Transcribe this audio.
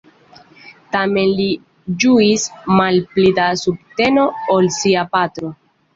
Tamen li ĝuis malpli da subteno ol sia patro.